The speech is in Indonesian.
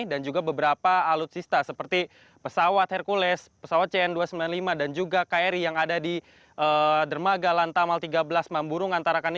dan juga beberapa alutsista seperti pesawat hercules pesawat cn dua ratus sembilan puluh lima dan juga kri yang ada di dermagalan tamal tiga belas mamburungan tarakan ini